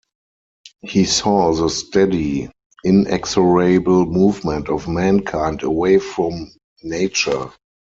He saw the steady, inexorable movement of mankind away from nature.